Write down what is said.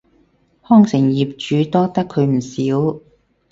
康城業主多得佢唔少